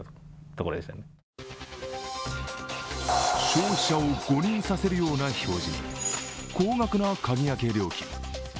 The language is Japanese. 消費者を誤認されるような表示に高額な鍵開け料金。